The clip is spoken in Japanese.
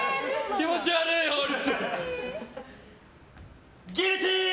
気持ち悪い、法律。